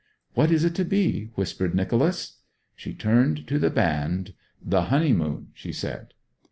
'What is it to be?' whispered Nicholas. She turned to the band. 'The Honeymoon,' she said.